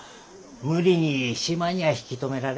無理に島には引き止められんよ。